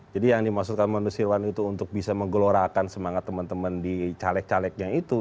yang dimaksudkan mas nusirwan itu untuk bisa menggelorakan semangat teman teman di caleg calegnya itu